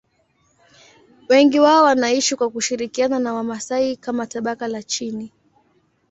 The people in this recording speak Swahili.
Wengi wao wanaishi kwa kushirikiana na Wamasai kama tabaka la chini.